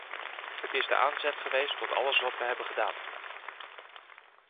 Het is de aanzet geweest tot alles wat we hebben gedaan.